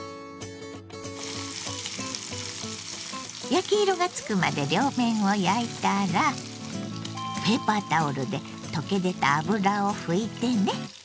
焼き色がつくまで両面を焼いたらペーパータオルで溶け出た脂を拭いてね。